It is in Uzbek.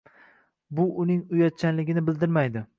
– bu uning uyatchanligini bildirmaydi.